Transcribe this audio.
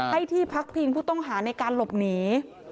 ให้ที่พักพิงผู้ต้องหาในการหลบหนี